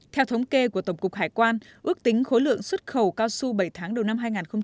theo thống kê của tổng cục hải quan ước tính khối lượng xuất khẩu cao su bảy tháng đầu năm hai nghìn hai mươi